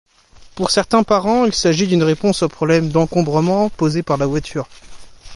Pour certains parents, il s'agit d'une réponse aux problèmes d'encombrements posés par la voiture.